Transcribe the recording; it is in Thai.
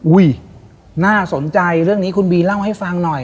น่าสนใจเรื่องนี้คุณบีเล่าให้ฟังหน่อย